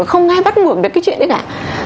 không ai bắt buộc được cái chuyện đấy cả